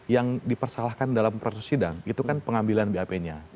yang dipersalahkan dalam proses sidang itu kan pengambilan bap nya